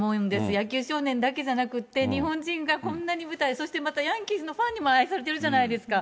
野球少年だけじゃなくて、日本人でこんな舞台、そしてヤンキースのファンにも愛されてるじゃないですか。